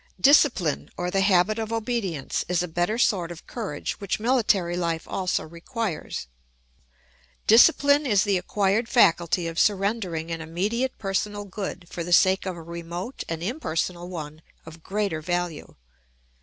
Discipline, or the habit of obedience, is a better sort of courage which military life also requires. Discipline is the acquired faculty of surrendering an immediate personal good for the sake of a remote and impersonal one of greater value.